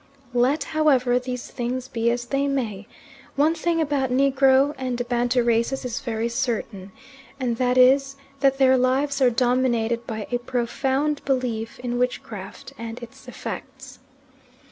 Let, however, these things be as they may, one thing about Negro and Bantu races is very certain, and that is that their lives are dominated by a profound belief in witchcraft and its effects.